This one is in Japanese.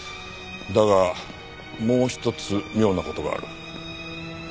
だがもう一つ妙な事がある。